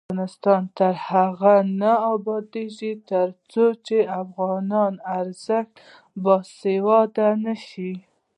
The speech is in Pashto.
افغانستان تر هغو نه ابادیږي، ترڅو د افغانۍ ارزښت باثباته نشي.